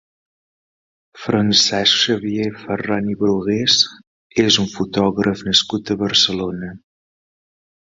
Francesc Xavier Ferran i Brugués és un fotògraf nascut a Barcelona.